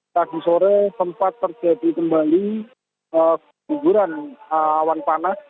tadi sore sempat terjadi kembali guguran awan panas